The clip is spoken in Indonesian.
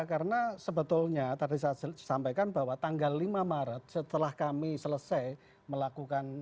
karena sebetulnya tadi saya sampaikan bahwa tanggal lima maret setelah kami selesai melakukan